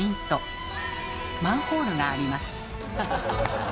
マンホールがあります。